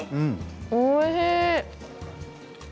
おいしい。